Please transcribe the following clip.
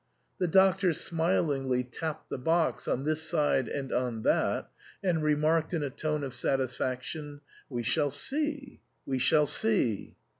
69 The Doctor smilingly tapped the box, on this side and on that, and remarked in a tone of satisfaction We shall see ! we shall see